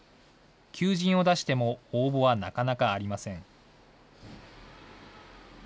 求人を出しても応募はなかなかありません。